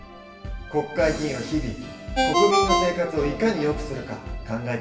国会議員は日々国民の生活をいかに良くするか考えているんだね。